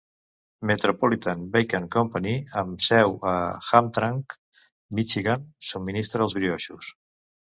Metropolitan Baking Company amb seu a Hamtramck, Michigan, subministra els brioixos.